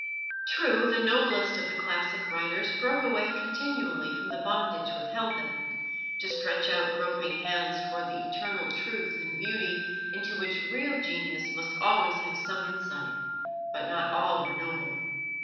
True, the noblest of the classical writers broke away continually from the bondage which held them, to stretch out groping hands towards the eternal truth and beauty into which real genius must always have some insight, but not all were noble.